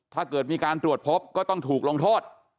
ถ้าเกิดมีการตรวจพบก็ต้องถูกลงโทษ